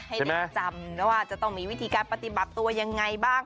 ให้ได้จำนะว่าจะต้องมีวิธีการปฏิบัติตัวยังไงบ้าง